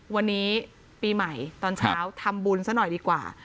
วันนี้ปีใหม่ตอนเช้าทำบุญซะหน่อยดีกว่า